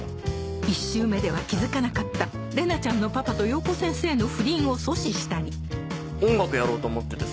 １周目では気付かなかった玲奈ちゃんのパパと洋子先生の不倫を阻止したり音楽やろうと思っててさ。